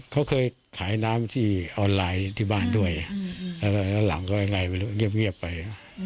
เขาเคยขายน้ำที่ออนไลน์ที่บ้านด้วยแล้วก็หลังก็ยังไงไม่รู้เงียบไป